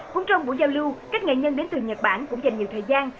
cũng trong buổi giao lưu các nghệ nhân đến từ nhật bản cũng dành nhiều thời gian